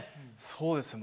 そうですね。